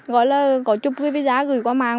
gọi là có chụp cái visa gửi qua màng